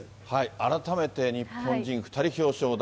改めて日本人２人表彰台。